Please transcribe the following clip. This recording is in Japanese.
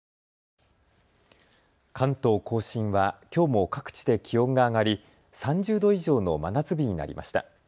関東甲信はきょうも各地で気温が上がり３０度以上の真夏日になりました。